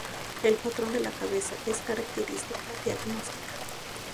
El patrón de la cabeza es característica diagnóstica.